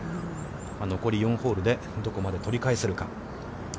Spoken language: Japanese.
残り４ホールで、どこまで取り返せるか。